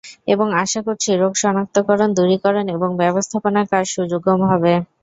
এবং আশা করছি রোগ শনাক্তকরণ, দূরীকরণ এবং ব্যবস্থাপনার কাজ সুগম হবে।